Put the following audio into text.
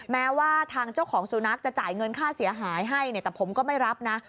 แม้ว่าทางเจ้าของสุนัขจะจ่ายเงินค่าเสียหายให้แต่ผมก็ไม่รับนะ